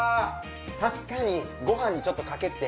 確かにご飯にちょっとかけて。